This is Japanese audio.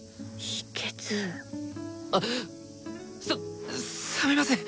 あすっすみません！